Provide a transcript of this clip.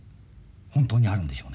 本当にあるんでしょうね。